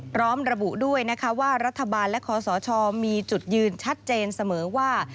พร้อมระบุด้วยนะคะว่ารัฐบาลและคอสชมีจุดยืนชัดเจนเสมอว่า